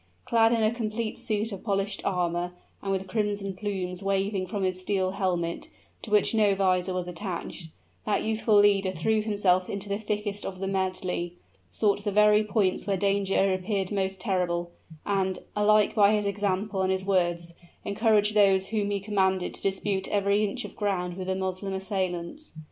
Clad in a complete suit of polished armor, and with crimson plumes waving from his steel helmet, to which no visor was attached, that youthful leader threw himself into the thickest of the medley, sought the very points where danger appeared most terrible and, alike by his example and his words, encouraged those whom he commanded to dispute every inch of ground with the Moslem assailants.